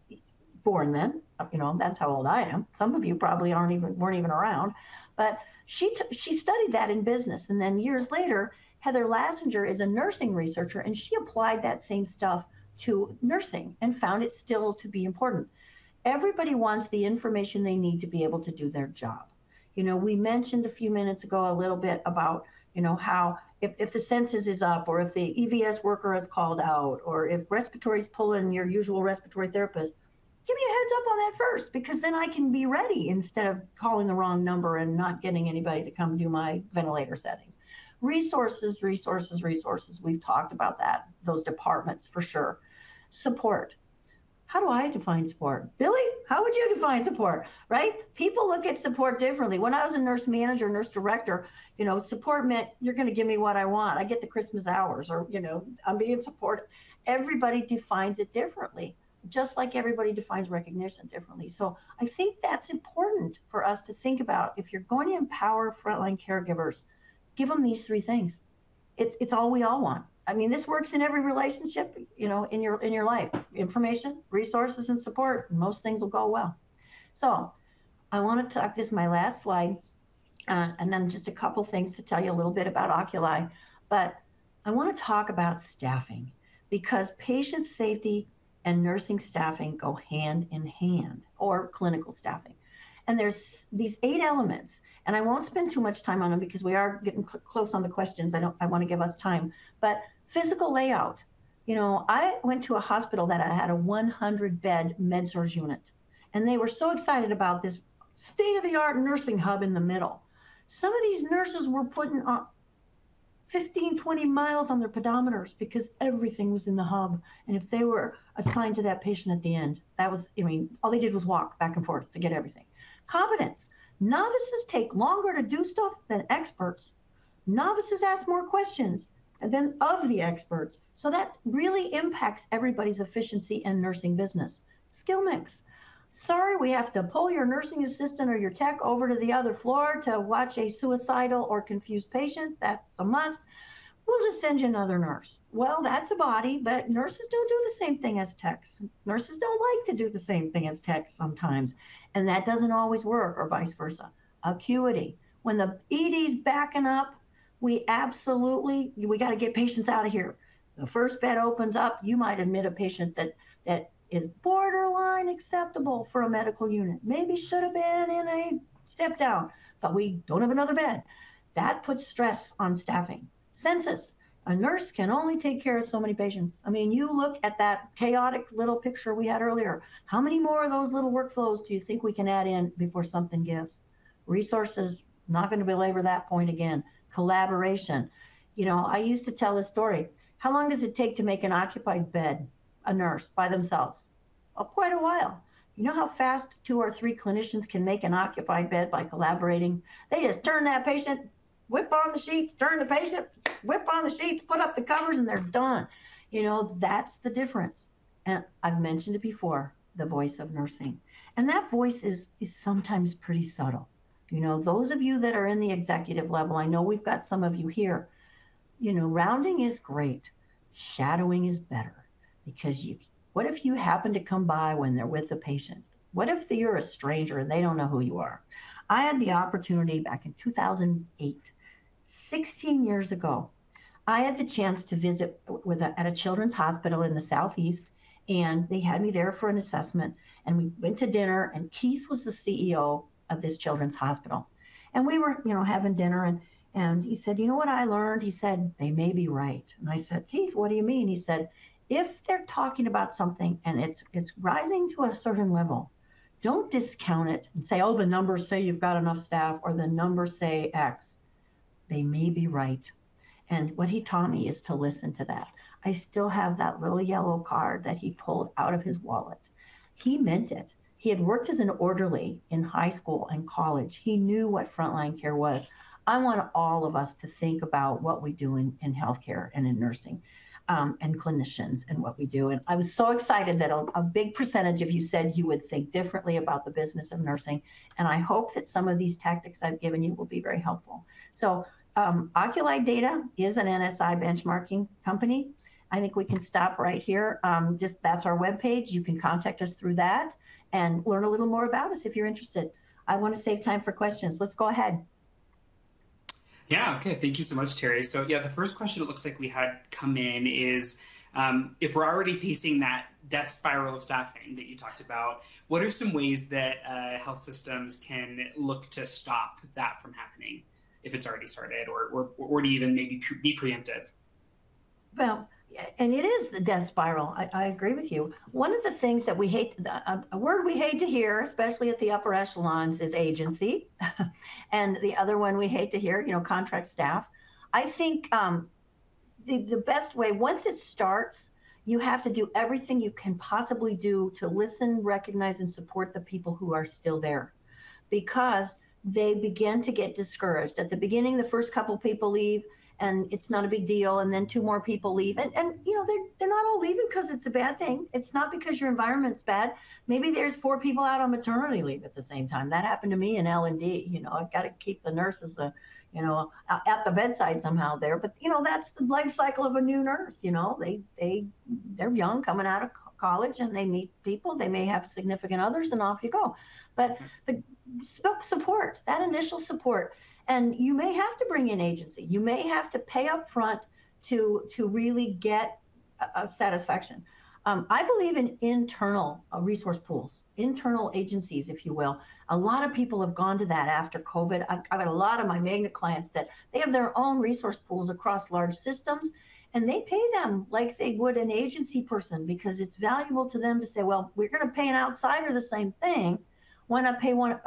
born then. You know, that's how old I am. Some of you probably weren't even around. But she studied that in business, and then years later, Heather Laschinger is a nursing researcher, and she applied that same stuff to nursing and found it still to be important. Everybody wants the information they need to be able to do their job. You know, we mentioned a few minutes ago a little bit about, you know, how if, if the census is up, or if the EVS worker is called out, or if respiratory's pulling your usual respiratory therapist, give me a heads-up on that first, because then I can be ready instead of calling the wrong number and not getting anybody to come do my ventilator settings. Resources, resources, resources, we've talked about that, those departments for sure. Support. How do I define support? Billy, how would you define support, right? People look at support differently. When I was a nurse manager, nurse director, you know, support meant, "You're gonna give me what I want. I get the Christmas hours," or, you know, "I'm being supported." Everybody defines it differently, just like everybody defines recognition differently. So I think that's important for us to think about. If you're going to empower frontline caregivers, give them these three things. It's, it's all we all want. I mean, this works in every relationship, you know, in your, in your life: information, resources, and support, most things will go well. So I wanna talk, this is my last slide, and then just a couple things to tell you a little bit about Oculi. But I wanna talk about staffing because patient safety and nursing staffing go hand in hand, or clinical staffing. And there's these eight elements, and I won't spend too much time on them because we are getting close on the questions. I don't... I wanna give us time. But physical layout, you know, I went to a hospital that had a 100-bed medical surgery unit, and they were so excited about this state-of-the-art nursing hub in the middle. Some of these nurses were putting on 15, 20 miles on their pedometers because everything was in the hub, and if they were assigned to that patient at the end, that was, I mean, all they did was walk back and forth to get everything. Competence. Novices take longer to do stuff than experts. Novices ask more questions than of the experts, so that really impacts everybody's efficiency in nursing business. Skill mix. "Sorry, we have to pull your nursing assistant or your tech over to the other floor to watch a suicidal or confused patient. That's a must. We'll just send you another nurse." Well, that's a body, but nurses don't do the same thing as techs. Nurses don't like to do the same thing as techs sometimes, and that doesn't always work, or vice versa. Acuity. When the ED's backing up, we absolutely, we gotta get patients out of here. The first bed opens up, you might admit a patient that, that is borderline acceptable for a medical unit. Maybe should've been in a step-down, but we don't have another bed. That puts stress on staffing. Census. A nurse can only take care of so many patients. I mean, you look at that chaotic little picture we had earlier. How many more of those little workflows do you think we can add in before something gives? Resources, not gonna belabor that point again. Collaboration. You know, I used to tell a story: How long does it take to make an occupied bed, a nurse, by themselves? Quite a while. You know how fast two or three clinicians can make an occupied bed by collaborating? They just turn that patient-... Wipe on the sheets, turn the patient, wipe on the sheets, put up the covers, and they're done. You know, that's the difference, and I've mentioned it before, the voice of nursing, and that voice is sometimes pretty subtle. You know, those of you that are in the executive level, I know we've got some of you here, you know, rounding is great, shadowing is better because you—what if you happen to come by when they're with a patient? What if you're a stranger, and they don't know who you are? I had the opportunity back in 2008, 16 years ago, I had the chance to visit with a, at a children's hospital in the Southeast, and they had me there for an assessment. We went to dinner, and Keith was the CEO of this children's hospital, and we were, you know, having dinner, and he said, "You know what I learned?" He said, "They may be right." And I said, "Keith, what do you mean?" He said, "If they're talking about something, and it's rising to a certain level, don't discount it and say, 'Oh, the numbers say you've got enough staff or the numbers say X.' They may be right." And what he taught me is to listen to that. I still have that little yellow card that he pulled out of his wallet. He meant it. He had worked as an orderly in high school and college. He knew what frontline care was. I want all of us to think about what we do in healthcare and in nursing, and clinicians and what we do, and I was so excited that a big percentage of you said you would think differently about the business of nursing, and I hope that some of these tactics I've given you will be very helpful. So, Oculi Data is an NSI benchmarking company. I think we can stop right here. Just that's our webpage. You can contact us through that and learn a little more about us if you're interested. I wanna save time for questions. Let's go ahead. Yeah, okay. Thank you so much, Terry. So yeah, the first question it looks like we had come in is, "If we're already facing that death spiral of staffing that you talked about, what are some ways that health systems can look to stop that from happening if it's already started or to even maybe be preemptive? Well, yeah, and it is the death spiral. I agree with you. One of the things that we hate... a word we hate to hear, especially at the upper echelons, is agency. And the other one we hate to hear, you know, contract staff. I think the best way, once it starts, you have to do everything you can possibly do to listen, recognize, and support the people who are still there because they begin to get discouraged. At the beginning, the first couple people leave, and it's not a big deal, and then two more people leave, and you know, they're not all leaving 'cause it's a bad thing. It's not because your environment's bad. Maybe there's four people out on maternity leave at the same time. That happened to me in L&D. You know, I've gotta keep the nurses, you know, at the bedside somehow there, but, you know, that's the life cycle of a new nurse. You know, they're young, coming out of college, and they meet people. They may have significant others, and off you go. But support, that initial support, and you may have to bring in agency. You may have to pay up front to really get a satisfaction. I believe in internal resource pools, internal agencies, if you will. A lot of people have gone to that after COVID. I've got a lot of my Magnet clients that they have their own resource pools across large systems, and they pay them like they would an agency person because it's valuable to them to say, "Well, we're gonna pay an outsider the same thing. Why not pay one of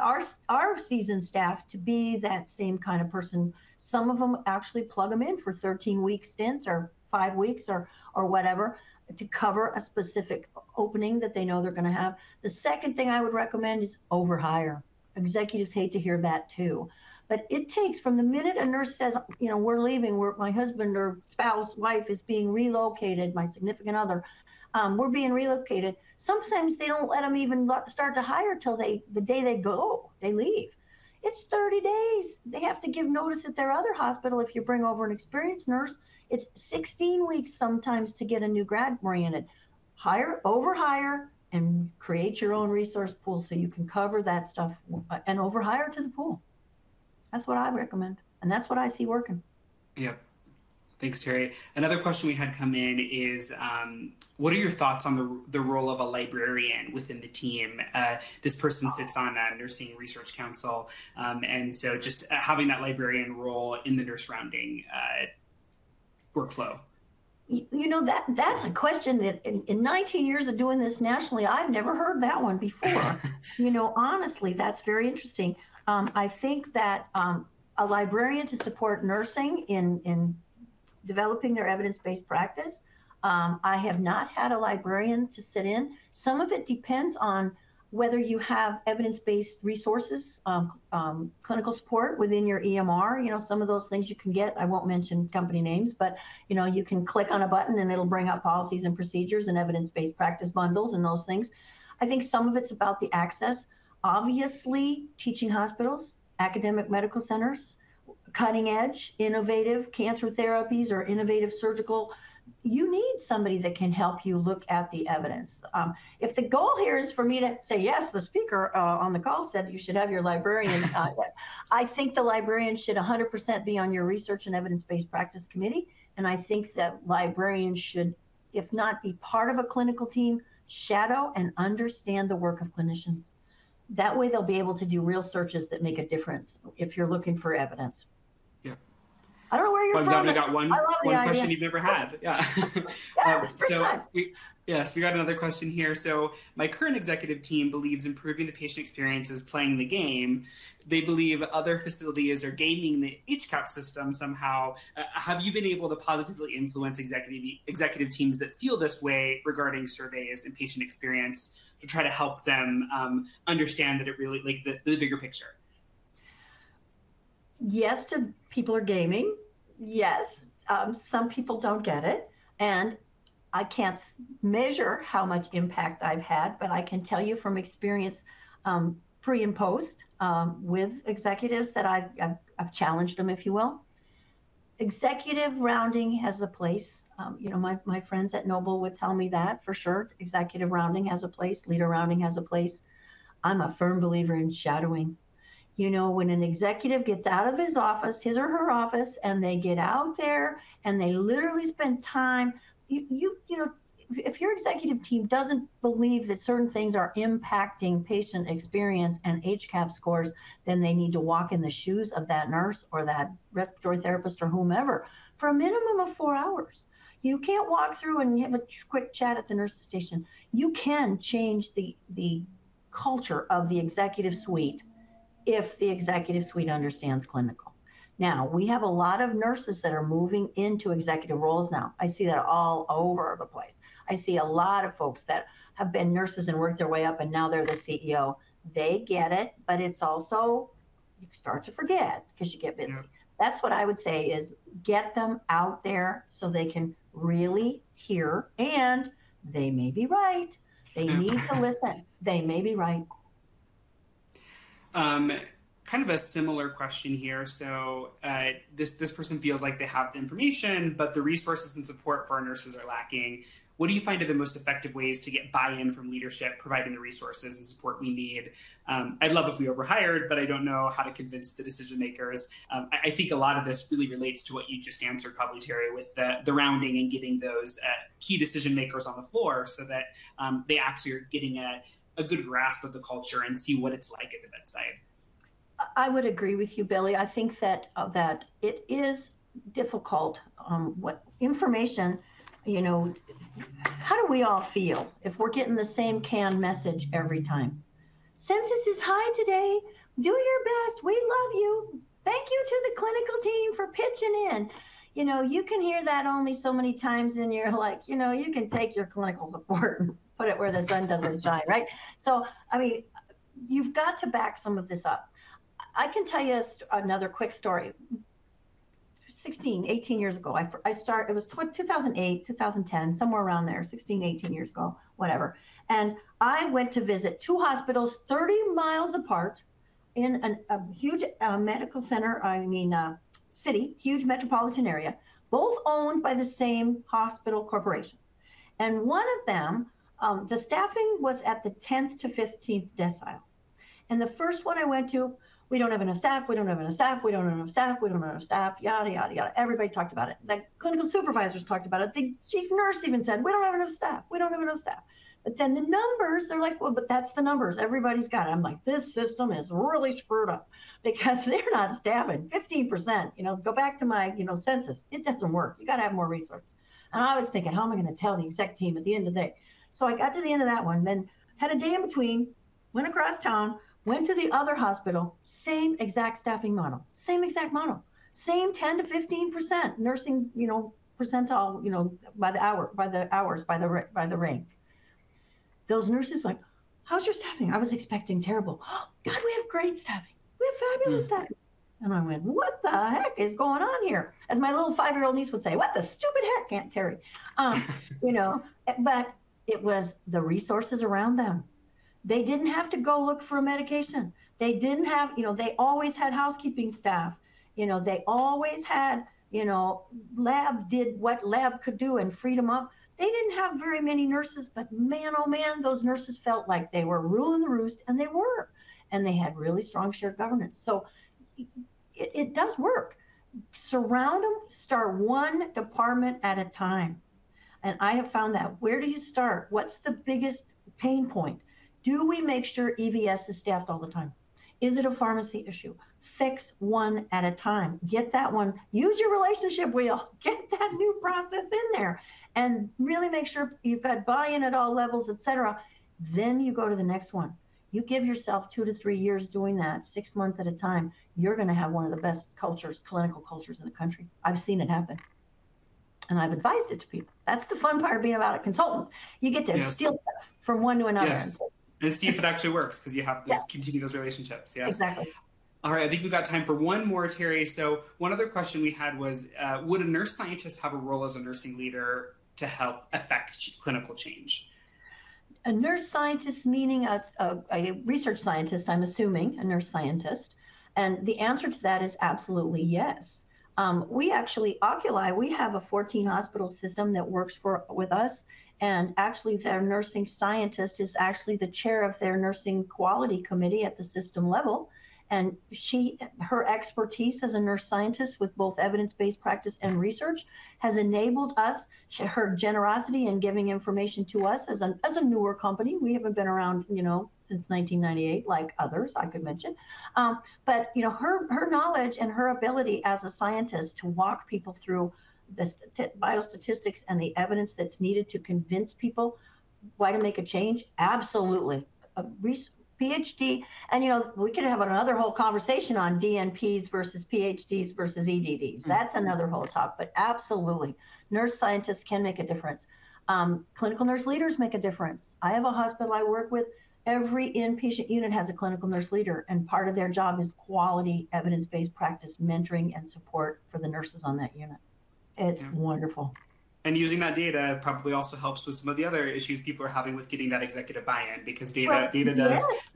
our seasoned staff to be that same kind of person?" Some of them actually plug them in for 13-week stints or five weeks or whatever, to cover a specific opening that they know they're gonna have. The second thing I would recommend is over hire. Executives hate to hear that too. But it takes... From the minute a nurse says, "You know, we're leaving, my husband or spouse, wife, is being relocated, my significant other, we're being relocated," sometimes they don't let them even go start to hire till the day they go, they leave. It's 30 days. They have to give notice at their other hospital if you bring over an experienced nurse. It's 16 weeks sometimes to get a new grad oriented. Hire, over hire, and create your own resource pool so you can cover that stuff and over hire to the pool. That's what I recommend, and that's what I see working. Yep. Thanks, Terry. Another question we had come in is, "What are your thoughts on the role of a librarian within the team?" This person- Oh... sits on a nursing research council, and so just having that librarian role in the nurse rounding workflow. You know, that, that's a question that in 19 years of doing this nationally, I've never heard that one before. You know, honestly, that's very interesting. I think that a librarian to support nursing in developing their Evidence-Based Practice, I have not had a librarian to sit in. Some of it depends on whether you have evidence-based resources, clinical support within your EMR. You know, some of those things you can get. I won't mention company names, but you know, you can click on a button, and it'll bring up policies and procedures and Evidence-Based Practice bundles and those things. I think some of it's about the access. Obviously, teaching hospitals, academic medical centers, cutting-edge, innovative cancer therapies or innovative surgical, you need somebody that can help you look at the evidence. If the goal here is for me to say, "Yes, the speaker on the call said you should have your librarian" - I think the librarian should 100% be on your research and evidence-based practice committee, and I think that librarians should, if not be part of a clinical team, shadow and understand the work of clinicians. That way, they'll be able to do real searches that make a difference if you're looking for evidence. Yeah. I don't know where you're from- Well, we got one- I love the idea.... one question you've ever had. Yeah. Yeah, that's great. So, yes, we got another question here: "So my current executive team believes improving the patient experience is playing the game. They believe other facilities are gaming the HCAHPS system somehow. Have you been able to positively influence executive teams that feel this way regarding surveys and patient experience, to try to help them understand that it really... like, the bigger picture?... yes, too, people are gaming. Yes, some people don't get it, and I can't measure how much impact I've had, but I can tell you from experience, pre and post, with executives that I've challenged them, if you will. Executive rounding has a place. You know, my friends at Noble would tell me that, for sure. Executive rounding has a place. Leader rounding has a place. I'm a firm believer in shadowing. You know, when an executive gets out of his office, his or her office, and they get out there, and they literally spend time, you know, if your executive team doesn't believe that certain things are impacting patient experience and HCAHPS scores, then they need to walk in the shoes of that nurse or that respiratory therapist or whomever, for a minimum of four hours. You can't walk through and you have a quick chat at the nurse station. You can change the culture of the executive suite if the executive suite understands clinical. Now, we have a lot of nurses that are moving into executive roles now. I see that all over the place. I see a lot of folks that have been nurses and worked their way up, and now they're the CEO. They get it, but it's also, you start to forget 'cause you get busy. Yeah. That's what I would say is, get them out there so they can really hear, and they may be right. They need to listen. They may be right. Kind of a similar question here. So, this person feels like they have the information, but the resources and support for our nurses are lacking. "What do you find are the most effective ways to get buy-in from leadership, providing the resources and support we need? I'd love if we overhired, but I don't know how to convince the decision makers." I think a lot of this really relates to what you just answered, probably, Terry, with the rounding and getting those key decision makers on the floor so that they actually are getting a good grasp of the culture and see what it's like at the bedside. I would agree with you, Billy. I think that it is difficult, what information, you know... How do we all feel if we're getting the same canned message every time? "Census is high today. Do your best. We love you. Thank you to the clinical team for pitching in." You know, you can hear that only so many times, and you're like, "You know, you can take your clinical support and put it where the sun doesn't shine," right? So I mean, you've got to back some of this up. I can tell you another quick story. 16, 18 years ago, I start... It was 2008, 2010, somewhere around there, 16, 18 years ago, whatever, and I went to visit two hospitals 30 miles apart in a huge medical center, I mean, city, huge metropolitan area, both owned by the same hospital corporation. And one of them, the staffing was at the 10th to 15th decile. And the first one I went to: "We don't have enough staff, we don't have enough staff, we don't have enough staff, we don't have enough staff," yada, yada, yada. Everybody talked about it. The clinical supervisors talked about it. The chief nurse even said, "We don't have enough staff. We don't have enough staff." But then the numbers, they're like, "Well, but that's the numbers. Everybody's got them." I'm like, "This system is really screwed up because they're not staffing 15%." You know, go back to my, you know, census. It doesn't work. You gotta have more resources. And I was thinking, "How am I gonna tell the exec team at the end of the day?" So I got to the end of that one, then had a day in between, went across town, went to the other hospital, same exact staffing model, same exact model, same 10%-15% nursing, you know, percentile, you know, by the hour, by the hours, by the rank. Those nurses are like: "How's your staffing? I was expecting terrible." "Oh, God, we have great staffing. We have fabulous staffing! Mm. I went, "What the heck is going on here?" As my little five-year-old niece would say, "What the stupid heck, Aunt Terry?" You know, but it was the resources around them. They didn't have to go look for a medication. They didn't have... You know, they always had housekeeping staff. You know, they always had, you know, lab did what lab could do and freed them up. They didn't have very many nurses, but man, oh, man, those nurses felt like they were ruling the roost, and they were. And they had really strong shared governance. So it does work. Surround them, start one department at a time, and I have found that. Where do you start? What's the biggest pain point? Do we make sure EVS is staffed all the time? Is it a pharmacy issue? Fix one at a time. Get that one... Use your relationship wheel. Get that new process in there, and really make sure you've got buy-in at all levels, et cetera. Then you go to the next one. You give yourself two to three years doing that, six months at a time, you're gonna have one of the best cultures, clinical cultures in the country. I've seen it happen, and I've advised it to people. That's the fun part of being about a consultant. Yes. You get to steal from one to another. Yes, and see if it actually works, 'cause you have- Yeah... to continue those relationships, yeah. Exactly. All right, I think we've got time for one more, Terry. So one other question we had was: would a nurse scientist have a role as a nursing leader to help effect clinical change? A nurse scientist, meaning a research scientist, I'm assuming, a nurse scientist, and the answer to that is absolutely yes. We actually, Oculi, we have a 14-hospital system that works for, with us, and actually, their nursing scientist is actually the chair of their nursing quality committee at the system level. And she, her expertise as a nurse scientist with both evidence-based practice and research has enabled us, her generosity in giving information to us as a newer company, we haven't been around, you know, since 1998, like others I could mention. But, you know, her, her knowledge and her ability as a scientist to walk people through biostatistics and the evidence that's needed to convince people why to make a change, absolutely. A PhD, and, you know, we could have another whole conversation on DNPs versus PhDs versus EdDs. Mm. That's another whole talk, but absolutely, nurse scientists can make a difference. Clinical nurse leaders make a difference. I have a hospital I work with, every inpatient unit has a clinical nurse leader, and part of their job is quality, evidence-based practice, mentoring, and support for the nurses on that unit. Yeah. It's wonderful. Using that data probably also helps with some of the other issues people are having with getting that executive buy-in, because data- Well, yes... data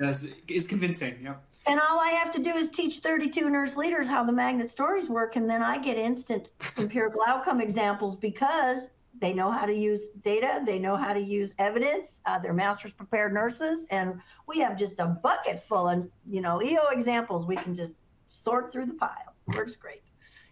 does is convincing, yeah. And all I have to do is teach 32 nurse leaders how the Magnet stories work, and then I get instant empirical outcome examples because they know how to use data, they know how to use evidence, they're master's prepared nurses, and we have just a bucket full. And, you know, EO examples, we can just sort through the pile. Right. Works great.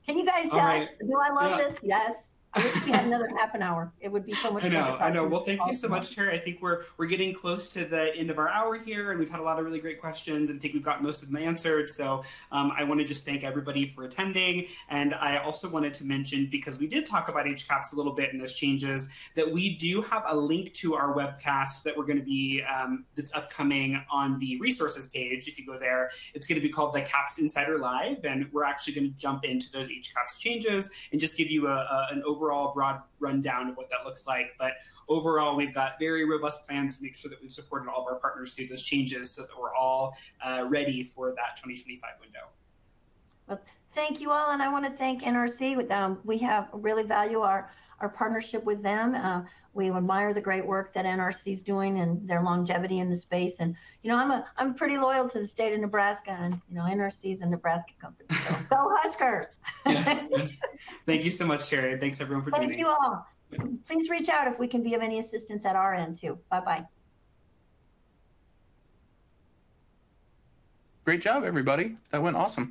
Can you guys tell- All right... do I love this? Yeah. Yes. I wish we had another half an hour. It would be so much fun to talk. I know. I know. Well, thank you so much, Terry. I think we're getting close to the end of our hour here, and we've had a lot of really great questions, and think we've got most of them answered. So, I wanna just thank everybody for attending, and I also wanted to mention, because we did talk about HCAHPS a little bit and those changes, that we do have a link to our webcast that we're gonna be, that's upcoming on the Resources page. If you go there, it's gonna be called the HCAHPS Insider Live, and we're actually gonna jump into those HCAHPS changes and just give you an overall broad rundown of what that looks like. Overall, we've got very robust plans to make sure that we've supported all of our partners through those changes so that we're all ready for that 2025 window. Well, thank you, all, and I wanna thank NRC. We really value our partnership with them. We admire the great work that NRC's doing and their longevity in the space, and, you know, I'm pretty loyal to the state of Nebraska, and, you know, NRC's a Nebraska company. So go Huskers! Yes. Yes. Thank you so much, Terry, and thanks everyone for joining me. Thank you, all. Yeah. Please reach out if we can be of any assistance at our end, too. Bye-bye. Great job, everybody. That went awesome.